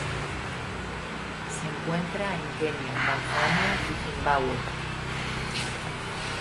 Se encuentra en Kenia Tanzania y Zimbabue.